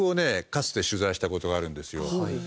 かつて取材した事があるんですよ。